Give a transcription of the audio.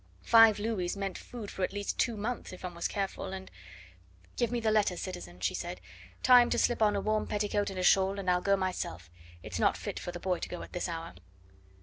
Five louis meant food for at least two months if one was careful, and "Give me the letter, citizen," she said, "time to slip on a warm petticoat and a shawl, and I'll go myself. It's not fit for the boy to go at this hour."